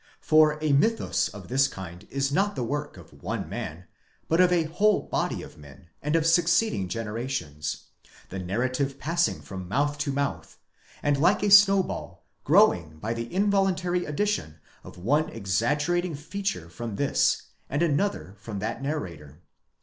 For a mythus of this kind is not the work of one man, but of a whole body of men, and of succeeding generations ; the narrative passing from mouth to mouth, and like a snowball growing by the involuntary addition of one exaggerating feature from this, and another from that narrator.